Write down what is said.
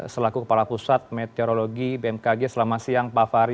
selaku kepala pusat meteorologi bmkg selamat siang pak fahri